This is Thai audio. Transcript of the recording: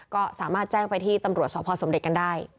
ก็สามารถแจ้งไปที่ตำรวจสพสมเด็จกันได้